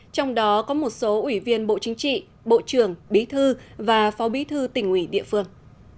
trong đó có một số ủy viên bộ chính trị bộ trưởng bí thư và phó bí thư tỉnh ủy địa phương